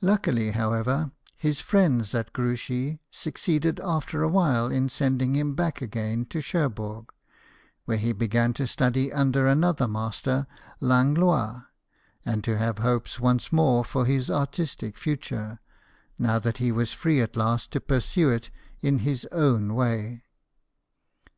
Luckily, however, his friends at Gruchy succeeded after awhile in sending him back again to Cherbourg, where he began to study under another master, Langlois, and to have hopes once more for his artistic future, now that he was free at last to pursue it in his own way.